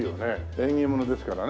縁起物ですからね。